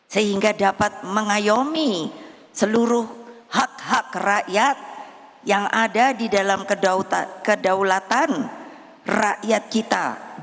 sehingga dapat mengayomi seluruh hak hak rakyat yang ada di dalam kedaulatan rakyat kita